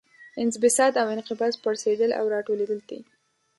انبساط او انقباض پړسیدل او راټولیدل دي.